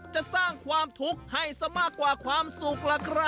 จะสร้างความทุกข์ให้ซะมากกว่าความสุขล่ะครับ